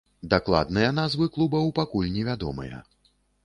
Дакладныя назвы клубаў пакуль невядомыя.